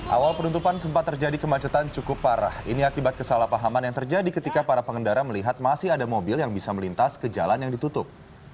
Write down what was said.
awal penutupan sempat terjadi kemacetan cukup parah ini akibat kesalahpahaman yang terjadi ketika para pengendara melihat masih ada mobil yang bisa melintas ke jalan yang ditutup